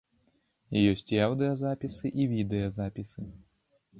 Ёсць і аўдыёзапісы, і відэазапісы.